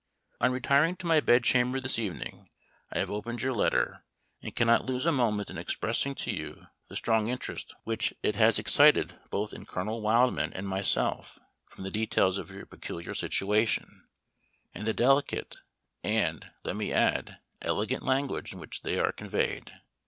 "On retiring to my bedchamber this evening I have opened your letter, and cannot lose a moment in expressing to you the strong interest which it has excited both in Colonel Wildman and myself, from the details of your peculiar situation, and the delicate, and, let me add, elegant language in which they are conveyed.